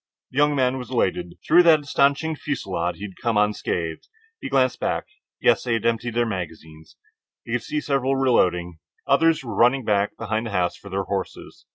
The young man was elated. Through that astonishing fusillade he had come unscathed. He glanced back. Yes, they had emptied their magazines. He could see several reloading. Others were running back behind the house for their horses.